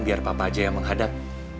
biar papa aja yang menghadap